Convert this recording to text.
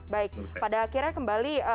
baik pada akhirnya kembali